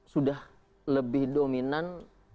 sudah lebih dominan